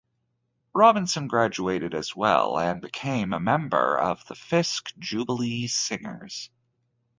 Robinson graduated as well and became a member of the Fisk Jubilee Singers.